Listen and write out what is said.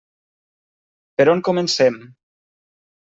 Per on comencem?